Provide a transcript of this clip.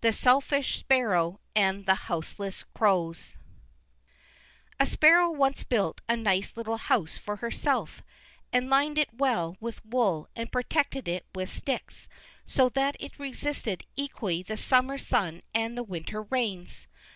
The Selfish Sparrow and the Houseless Crows A sparrow once built a nice little house for herself, and lined it well with wool and protected it with sticks, so that it resisted equally the summer sun and the winter rains.